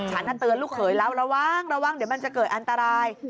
เตือนลูกเขยแล้วระวังระวังเดี๋ยวมันจะเกิดอันตราย